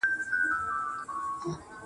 چي دي شراب، له خپل نعمته ناروا بلله.